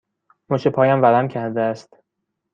مچ پایم ورم کرده است.